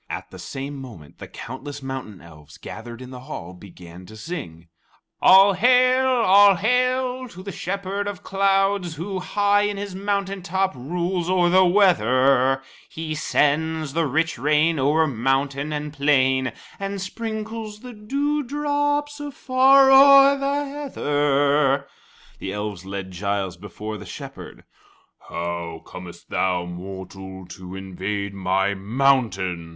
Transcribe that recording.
At the same moment, the countless mountain elves gathered in the hall began to sing: "All Hail, All Hail to the Shepherd of Clouds, Who, high in his mountain top, rules o'er the' weather; He sends the rich rain over mountain and plain, And sprinkles the dew drops afar o'er the heather." The elves led Giles before the Shepherd. "How comest thou, mortal, to invade my mountain?"